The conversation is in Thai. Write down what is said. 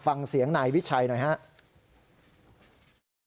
ฟังเสียงนายวิชัยหน่อยครับ